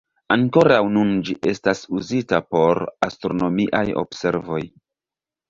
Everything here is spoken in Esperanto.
Ankoraŭ nun ĝi estas uzita por astronomiaj observoj.